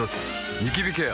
ニキビケア